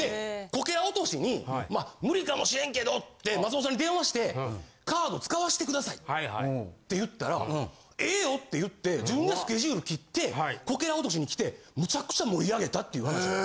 こけら落としにまあ無理かもしれんけどって松本さんに電話して「カード使わしてください」って言ったら「ええよ」って言って自分でスケジュール切ってこけら落としに来てむちゃくちゃ盛り上げたっていう話が。